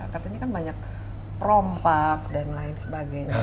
katanya kan banyak perompak dan lain sebagainya